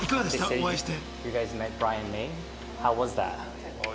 お会いして。